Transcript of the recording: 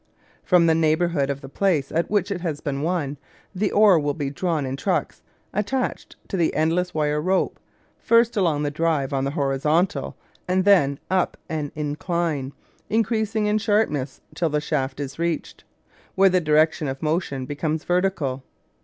From the neighbourhood of the place at which it has been won, the ore will be drawn in trucks, attached to the endless wire rope, first along the drive on the horizontal, and then up an incline increasing in sharpness till the shaft is reached, where the direction of motion becomes vertical.